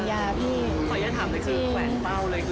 ถอยอย่าถามเลยคุณเอตนขวานเป้าเลย